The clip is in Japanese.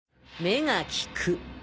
「目が利く」